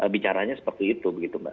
bicaranya seperti itu